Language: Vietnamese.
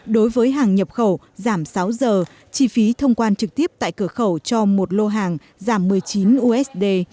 đối với hàng nhập khẩu giảm sáu giờ chi phí thông quan trực tiếp tại cửa khẩu cho một lô hàng giảm một mươi chín usd